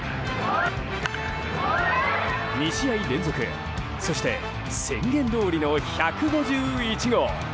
２試合連続そして宣言どおりの１５１号。